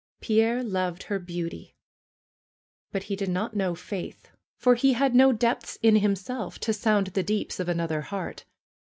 Pierre loved her beauty. But he did not know Faith, for he had no depths in himself to sound the deeps of another heart.